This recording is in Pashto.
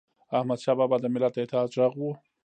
احمدشاه بابا د ملت د اتحاد ږغ و.